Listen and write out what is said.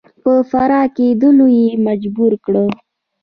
په فرار کېدلو یې مجبور کړ.